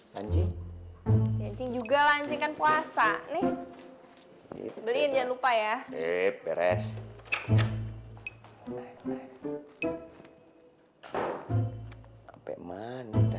dan juga lancarkan puasa nih beliin jangan lupa ya